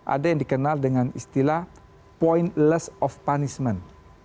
ada yang dikenal dengan istilah pointless of punishment